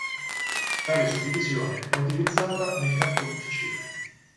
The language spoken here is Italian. Tale suddivisione è utilizzata nel Canton Ticino.